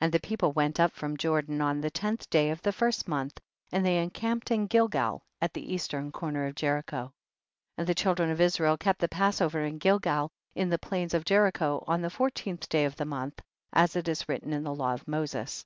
10. And the people went up from Jordan on the tenth day of the tirst month, and they encamped in Gilgal at the eastern corner of Jericho, 1 1 . And the children of Israel kept the Passover in Gilgal, in the plains of Jericho, on the fourteenth day of the month, as it is written in the law of Moses.